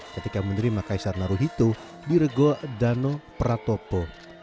ketika menerima kaisar naruhito di regol dano pratopo